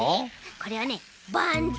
これはねバンズ！